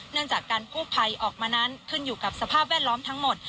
จากการกู้ภัยออกมานั้นขึ้นอยู่กับสภาพแวดล้อมทั้งหมด